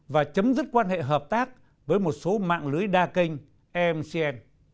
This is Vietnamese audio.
và chấm dứt quan hệ hợp tác với một số mạng lưới đa kênh emcn